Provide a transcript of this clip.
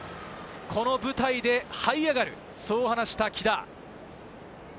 この舞台で這い上がる、そう話した木田。